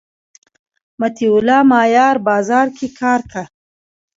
مطیع الله مایار بازار کی کار کا